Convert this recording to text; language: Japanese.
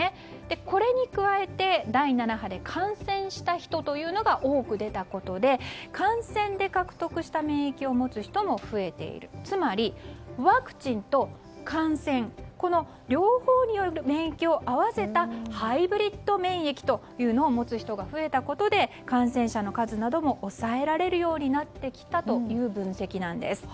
これに加えて第７波で感染した人というのが多く出たことで感染で獲得した免疫を持つ人も増えているつまり、ワクチンと感染この両方の免疫を合わせたハイブリッド免疫というのを持つ人が増えたことで、感染者の数も抑えられるようになってきたという分析なんです。